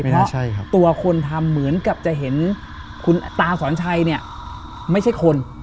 เพราะตัวคนทำเหมือนกับจะเห็นคุณตาสอนชัยเนี่ยไม่ใช่คน